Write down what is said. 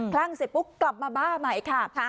ลั่งเสร็จปุ๊บกลับมาบ้าใหม่ค่ะ